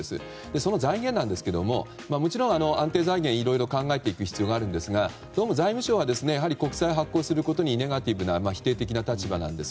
その財源はもちろん安定財源を考えていく必要があるんですがどうも財務省は国債を発行することに否定的な立場なんです。